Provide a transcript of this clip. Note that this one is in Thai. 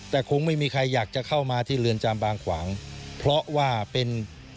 แต่คงไม่มีใครอยากจะเข้ามาที่เรือนจำบางขวางเพราะว่าเป็น